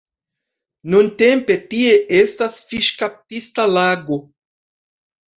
Nuntempe tie estas fiŝkaptista lago.